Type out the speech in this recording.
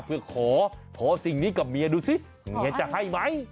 เพื่อขอขอสิ่งนี้กับเมียดูสิเมียจะให้ไหม